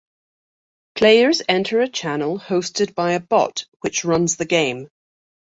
Players enter a channel hosted by a bot which runs the game.